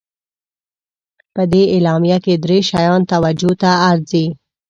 په دې اعلامیه کې درې شیان توجه ته ارزي.